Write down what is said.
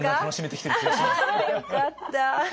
よかった。